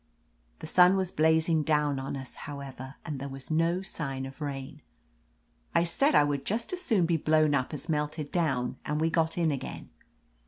The sun was blazing down on us, however, and there was no sign of rain. I said I would just as soon be blown up as melted down, and we got in again.